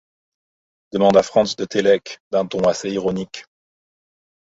demanda Franz de Télek d’un ton assez ironique.